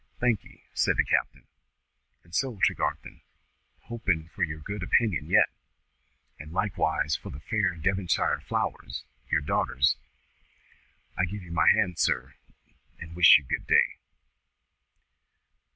"Thank'ee," said the captain. "And so, Tregarthen, hoping for your good opinion yet, and likewise for the fair Devonshire Flower's, your daughter's, I give you my hand, sir, and wish you good day."